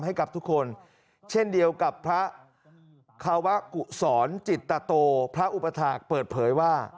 ให้กับทุกคนเช่นเดียวกับพระคาวะกุศรจิตโตพระอุปถาคเปิดเผยว่า